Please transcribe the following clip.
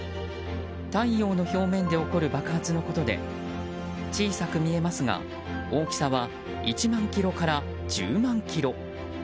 太陽の表面で起こる爆発のことで小さく見えますが、大きさは１万ｋｍから１０万ｋｍ。